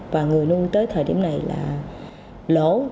và người nuôi tới thời điểm này là lỗ